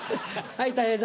はい。